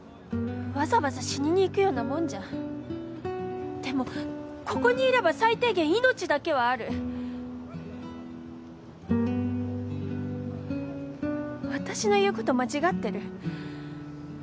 わざわざ死ににいくようなもんじゃんでもここにいれば最低限命だけはある私の言うこと間違ってる？